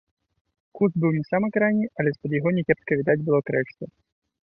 Куст быў не самы крайні, але з-пад яго някепска відаць было к рэчцы.